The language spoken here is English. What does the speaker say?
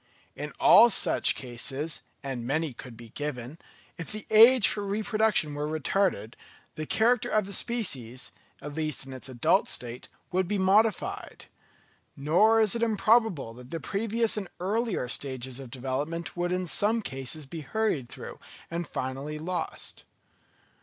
In all such cases—and many could be given—if the age for reproduction were retarded, the character of the species, at least in its adult state, would be modified; nor is it improbable that the previous and earlier stages of development would in some cases be hurried through and finally lost.